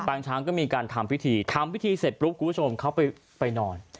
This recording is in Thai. งช้างก็มีการทำพิธีทำพิธีเสร็จปุ๊บคุณผู้ชมเขาไปนอน